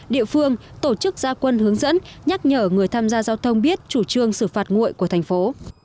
địa phương tổ chức gia quân hướng dẫn nhắc nhở người tham gia giao thông biết chủ trương xử phạt nguội của thành phố